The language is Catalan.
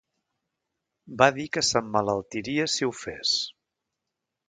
Va dir que s'emmalaltiria si ho fes.